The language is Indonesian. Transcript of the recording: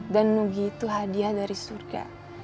dan mugi itu hadiah dari surga